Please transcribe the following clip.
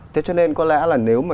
thế cho nên có lẽ là nếu mà